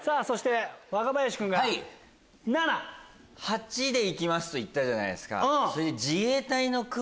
若林君が７？８で行きます！と言ったじゃないですか。